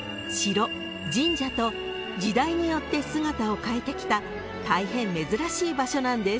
［と時代によって姿を変えてきた大変珍しい場所なんです］